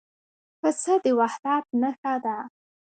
پسه د وحدت نښه ده.